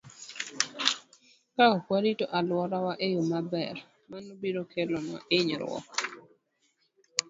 Ka ok warito alworawa e yo maber, mano biro kelonwa hinyruok.